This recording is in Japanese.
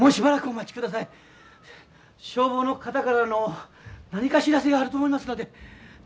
消防の方からの何か知らせがあると思いますので。